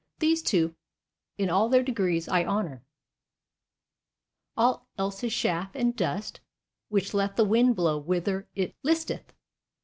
These two, in all their degrees, I honour: all else is chaff and dust, which let the wind blow whither it listeth.